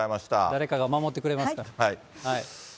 誰かが守ってくれますから。